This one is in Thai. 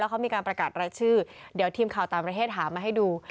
เขามีการประกาศรายชื่อเดี๋ยวทีมข่าวต่างประเทศหามาให้ดู